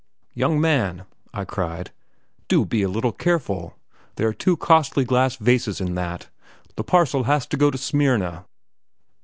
"Young man," I cried, "do be a little careful! There are two costly glass vases in that; the parcel has to go to Smyrna."